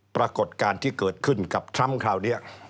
ปรากฏการณ์ที่เกิดขึ้นกับทรัมป์คราวนี้